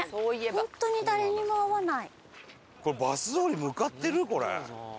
本当に誰にも会わない。